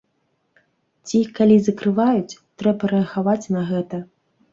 Ці, калі закрываюць, трэба рэагаваць на гэта.